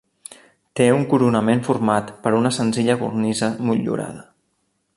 Té un coronament format per una senzilla cornisa motllurada.